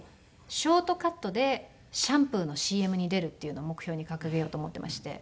ショートカットでシャンプーのＣＭに出るっていうのを目標に掲げようと思っていまして。